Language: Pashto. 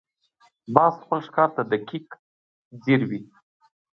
باز خپل ښکار ته دقیق ځیر وي